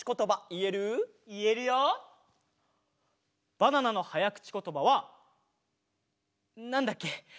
バナナのはやくちことばはなんだっけ？